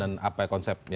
dan apa konsepnya